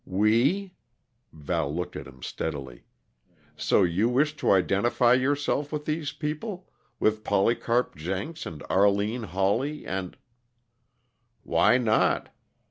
"We?" Val looked at him steadily. "So you wish to identify yourself with these people with Polycarp Jenks, and Arline Hawley, and " "Why not?